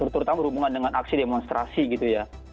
terutama berhubungan dengan aksi demonstrasi gitu ya